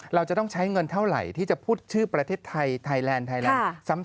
เราจะต้องใช้เงินเท่าไหร่ที่จะพูดชื่อประเทศไทยไทยแลนด์ไทยแลนด์